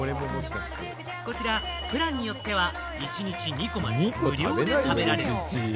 こちら、プランによっては一日２個まで無料で食べられる。